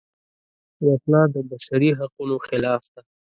وسله د بشري حقونو خلاف ده